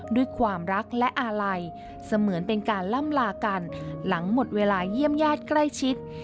ด้วยความรักและอาลัยเสมือนเป็นการล่ำลากันหลังหมดเวลาเยี่ยมญาติใกล้ชิด